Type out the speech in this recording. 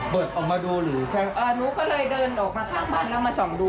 ออกมาดูหรือแค่อ่าหนูก็เลยเดินออกมาข้างบ้านแล้วมาส่องดู